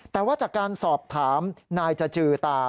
แต่ว่าจากการสอบถามนายจจือตา